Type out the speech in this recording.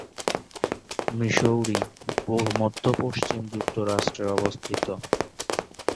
Missouri মধ্য-পশ্চিম যুক্তরাষ্ট্রে অবস্থিত।